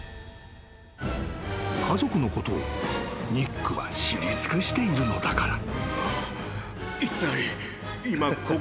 ［家族のことをニックは知り尽くしているのだから］